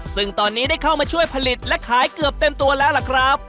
ซึ่งตอนนี้ได้เข้ามาช่วยผลิตและขายเกือบเต็มตัวแล้วล่ะครับ